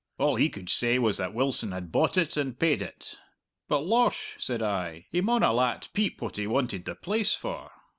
All he could say was that Wilson had bought it and paid it. 'But, losh,' said I, 'he maun 'a' lat peep what he wanted the place for!'